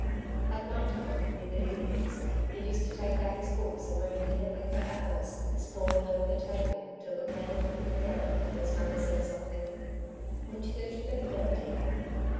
At one time, in the evenings he used to take out his books and read intently for hours, sprawling over the table, till the candle flickered down and his mother said softly: "Won't you go to bed now, dear?"